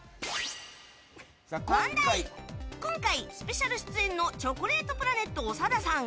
今回スペシャル出演のチョコレートプラネット長田さん。